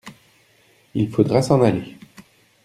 Il faudra s’en aller.